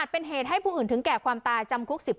ปอล์กับโรเบิร์ตหน่อยไหมครับ